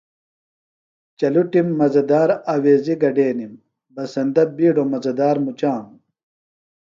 چلٹِم مزہ دار آویزیۡ گڈینِم۔ بسندہ بِیڈوۡ مزہ دار مُچانوۡ۔